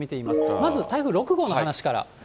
まず台風６号の話から。